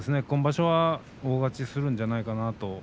今場所は大勝ちするんじゃないかなと。